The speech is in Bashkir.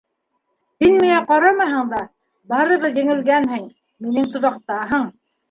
Һин миңә ҡарамаһаң да, барыбер еңелгәнһең, минең тоҙаҡтаһың.